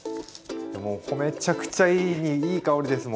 もうめちゃくちゃいいいい香りです